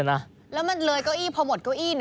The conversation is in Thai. แล้วมันเลยเก้าอี้พอหมดเก้าอี้